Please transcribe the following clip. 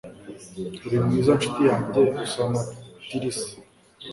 uri mwiza, ncuti yanjye, usa na tirisa